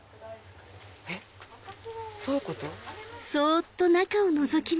えっどういうこと？